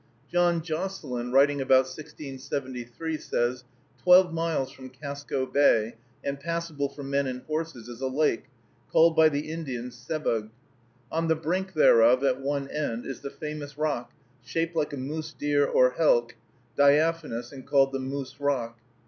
John Josselyn, writing about 1673, says, "Twelve miles from Casco Bay, and passable for men and horses, is a lake, called by the Indians Sebug. On the brink thereof, at one end, is the famous rock, shaped like a moose deer or helk, diaphanous, and called the Moose Rock."